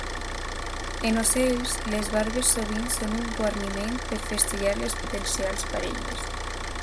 En ocells, les barbes sovint són un guarniment per festejar les potencials parelles.